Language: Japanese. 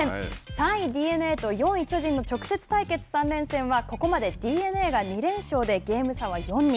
３位ＤｅＮＡと４位巨人の直接対決３連戦はここまでＤｅＮＡが２連勝でゲーム差は４に。